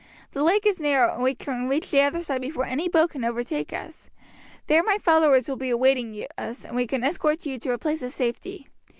The lake is narrow, and we can reach the other side before any boat can overtake us. There my followers will be awaiting us, and we can escort you to a place of safety.